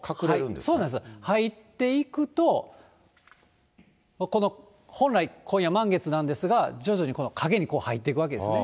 そうなんです、入っていくと、この本来今夜、満月なんですが、徐々に陰に入っていくわけですね。